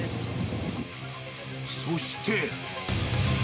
そして。